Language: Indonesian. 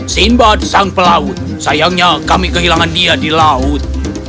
simbad sang pelaut sayangnya kami kehilangan dia di laut